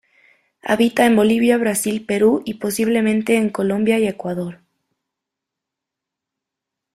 Habita en Bolivia, Brasil, Perú y, posiblemente, en Colombia y Ecuador.